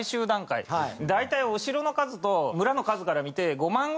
大体お城の数と村の数から見て。